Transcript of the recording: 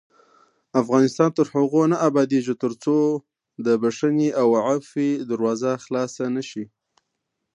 افغانستان تر هغو نه ابادیږي، ترڅو د بښنې او عفوې دروازه خلاصه نشي.